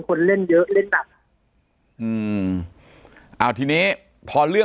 ปากกับภาคภูมิ